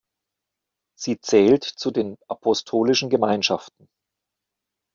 Sie zählt zu den apostolischen Gemeinschaften.